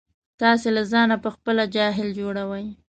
تاسې له ځانه په خپله جاهل جوړوئ.